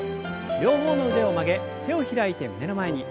両方の腕を曲げ手を開いて胸の前に。